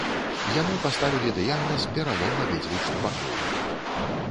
Яму паставілі дыягназ пералом абедзвюх ступакоў.